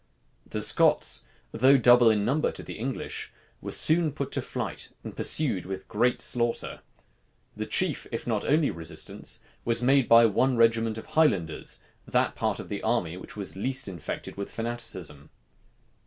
The Scots, though double in number to the English, were soon put to flight, and pursued with great slaughter. The chief, if not only resistance, was made by one regiment of Highlanders, that part of the army which was the least infected with fanaticism.